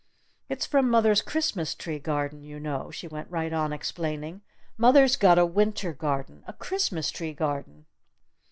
"It's from mother's Christmas tree garden, you know," she went right on explaining. "Mother's got a Winter garden a Christmas tree garden!"